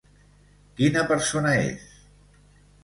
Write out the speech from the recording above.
Quina persona és?